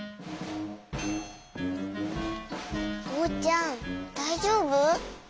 おうちゃんだいじょうぶ？